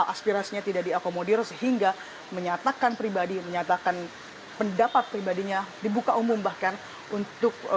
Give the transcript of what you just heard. aspirasinya tidak diakomodir sehingga menyatakan pribadi menyatakan pendapat pribadinya dibuka umum bahkan untuk